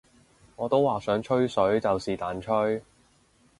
我都話想吹水就是但吹